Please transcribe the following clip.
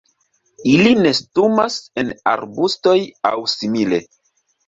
Ili nestumas en arbustoj aŭ simile.